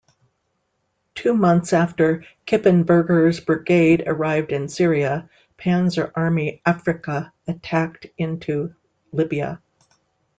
Two months after Kippenberger's brigade arrived in Syria, Panzer Army Afrika attacked into Libya.